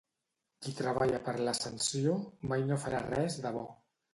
Qui treballa per l'Ascensió mai no farà res de bo.